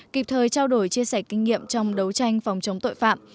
kịp thời trao đổi chia sẻ kinh nghiệm trong đấu tranh phòng chống tội phạm